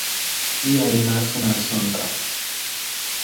Iyayena suna son ka.